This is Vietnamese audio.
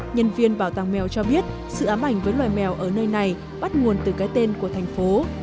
nhân viên bảo tàng mèo cho biết sự ám ảnh với loài mèo ở nơi này bắt nguồn từ cái tên của thành phố